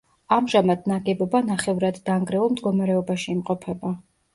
ამჟამად ნაგებობა ნახევრადდანგრეულ მდგომარეობაში იმყოფება.